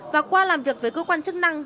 và qua làm việc với cơ quan chức năng